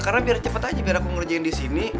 karena biar cepet aja aku ngerjain disini